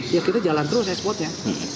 ya kita jalan terus ekspornya